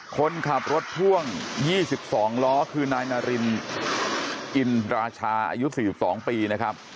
คนขับรถพ่วง๒๒ล้อคือนายนารินอินราชาอายุ๔๒ปีนะครับ